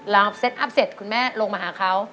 เซตอัพเสร็จคุณแม่ลงมาหาเขา